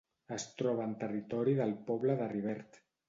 Es troba en territori del poble de Rivert.